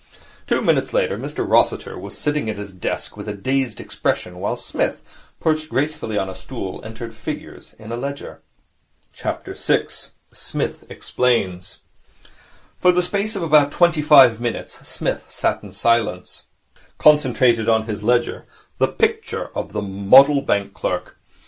Two minutes later, Mr Rossiter was sitting at his desk with a dazed expression, while Psmith, perched gracefully on a stool, entered figures in a ledger. 6. Psmith Explains For the space of about twenty five minutes Psmith sat in silence, concentrated on his ledger, the picture of the model bank clerk.